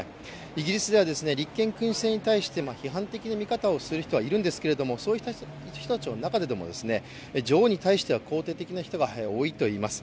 イギリスでは立憲君主制に対して批判的な見方をする人がいるんですがそういう人たちの中でも女王に対しては肯定的な人が多いといいます。